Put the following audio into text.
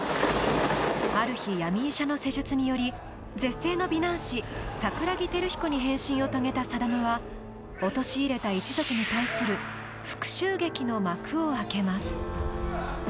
ある闇医者の施術により絶世の美男子桜木輝彦に変身を遂げた定は陥れた一族に対する復讐劇の幕を開けます。